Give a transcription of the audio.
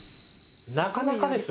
なかなかですね。